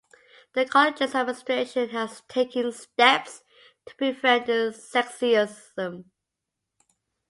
The college's administration has taken steps to prevent this sexism.